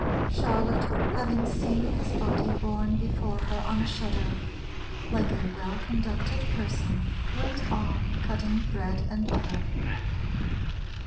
Charlotte having seen his body Borne before her on a shutter, Like a well conducted person, Went on cutting bread and butter.